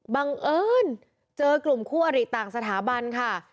บังเอิญเจอกลุ่มคู่อริต่างสถาบันค่ะ